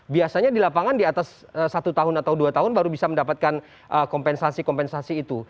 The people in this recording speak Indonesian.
biasanya di lapangan di atas satu tahun atau dua tahun baru bisa mendapatkan kompensasi kompensasi itu